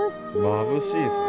まぶしいですね。